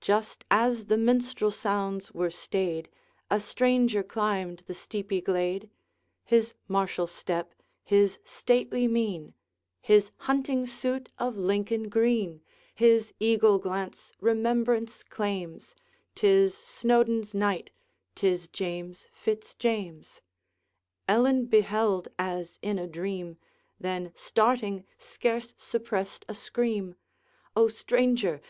Just as the minstrel sounds were stayed, A stranger climbed the steepy glade; His martial step, his stately mien, His hunting suit of Lincoln green, His eagle glance, remembrance claims 'Tis Snowdoun's Knight, 'tis James Fitz James. Ellen beheld as in a dream, Then, starting, scarce suppressed a scream: 'O stranger!